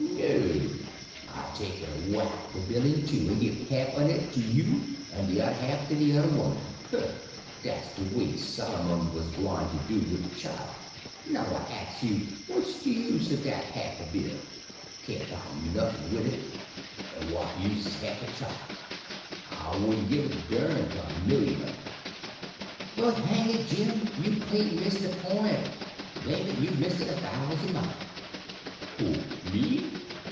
No; I take en whack de bill in two, en give half un it to you, en de yuther half to de yuther woman. Dat's de way Sollermun was gwyne to do wid de chile. Now I want to ast you: what's de use er dat half a bill?—can't buy noth'n wid it. En what use is a half a chile? I wouldn' give a dern for a million un um." "But hang it, Jim, you've clean missed the point—blame it, you've missed it a thousand mile." "Who? Me?